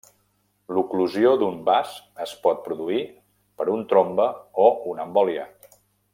L'oclusió d'un vas es pot produir per un trombe o una embòlia.